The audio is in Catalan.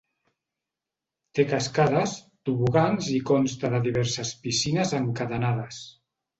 Té cascades, tobogans i consta de diverses piscines encadenades.